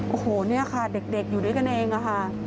โอ้โหเนี่ยค่ะเด็กอยู่ด้วยกันเองค่ะ